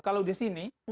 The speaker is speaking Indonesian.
kalau di sini